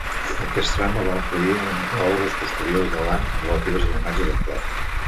Aquest trauma va influir en obres posteriors de Lamm relatives a la imatge del cos.